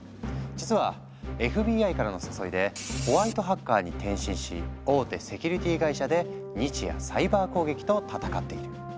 実はＦＢＩからの誘いでホワイトハッカーに転身し大手セキュリティ会社で日夜サイバー攻撃と戦っている。